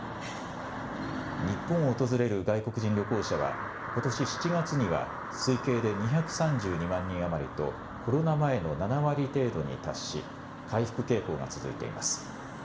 日本を訪れる外国人旅行者はことし７月には推計で２３２万人余りとコロナ前の７割程度に達し回復傾向が続いています。